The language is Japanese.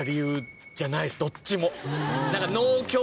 どっちも。